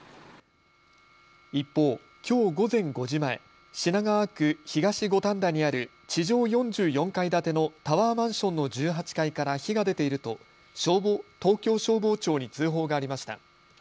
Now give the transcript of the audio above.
一方、きょう午前５時前品川区東五反田にある地上４４階建てのタワーマンションの１８階から火が出ていると東京消防庁に通報がありました。